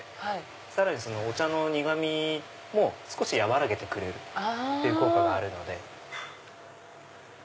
さらにお茶の苦味も少し和らげる効果があるので。